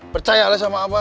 percayalah sama abah